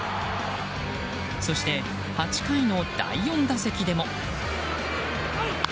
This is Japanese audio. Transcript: そして８回の第４打席でも。